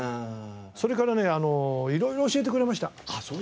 それからね色々教えてくれました。